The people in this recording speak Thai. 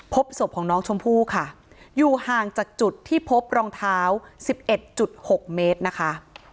พบศพของน้องชมพู่ค่ะอยู่ห่างจากจุดที่พบรองเท้า๑๑๖เมตรนะคะ